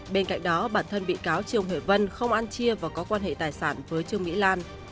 bên cạnh đó bản thân bị cáo trương huệ vân không ăn chia và có quan hệ tài sản với trương mỹ lan